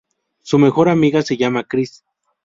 Su mejor amiga se llama Kris.